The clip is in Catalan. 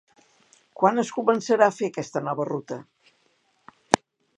Quan es començarà a fer aquesta nova ruta?